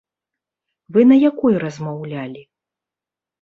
Вы на якой размаўлялі?